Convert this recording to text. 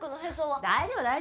大丈夫大丈夫。